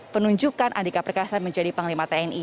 penunjukan andika perkasa menjadi panglima tni